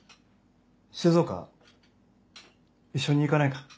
静岡一緒に行かないか？